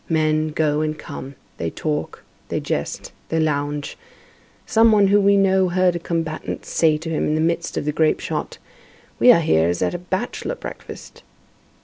Men go and come, they talk, they jest, they lounge. Some one whom we know heard a combatant say to him in the midst of the grape shot: "We are here as at a bachelor breakfast."